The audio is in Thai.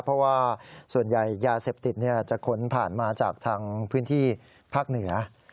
เพราะว่าส่วนใหญ่ยาเสพติดจะขนผ่านมาจากทางพื้นที่ภาคเหนือ